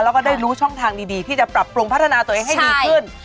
แล้วก็ได้รู้ช่องทางดีที่จะปรับปรุงพัฒนาตัวเองให้ดีขึ้น